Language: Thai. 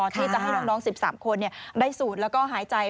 ที่จะให้น้อง๑๓คนได้สูดแล้วก็หายใจ